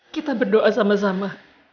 kita berdoa sama sama